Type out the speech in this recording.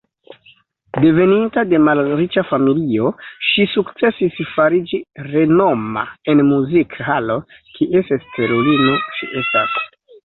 Deveninta de malriĉa familio, ŝi sukcesis fariĝi renoma en muzik-halo, kies stelulino ŝi estas.